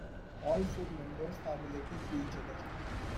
All four members are related to each other.